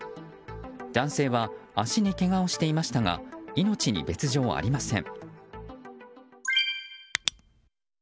男性は足にけがをしていましたが命に別条はありません。